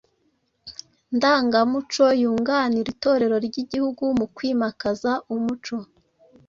ndangamuco yunganira Itorero ry’Igihugu mu kwimakaza umuco